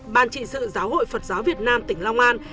ban trị sự giáo hội phật giáo việt nam tỉnh long an